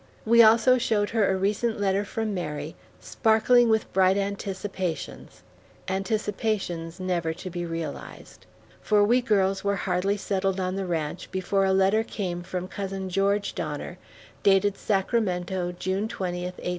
We also showed her a recent letter from Mary, sparkling with bright anticipations anticipations never to be realized; for we girls were hardly settled on the ranch before a letter came from cousin George Donner, dated Sacramento, June 20, 1860.